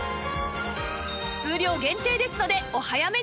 数量限定ですのでお早めに！